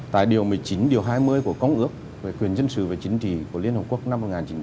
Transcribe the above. tại điều một mươi chín điều hai mươi của công ước về quyền dân sự và chính trị của liên hợp quốc năm một nghìn chín trăm tám mươi hai